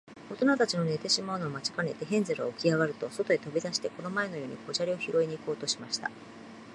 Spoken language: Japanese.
おとなたちの寝てしまうのを待ちかねて、ヘンゼルはおきあがると、そとへとび出して、この前のように小砂利をひろいに行こうとしました。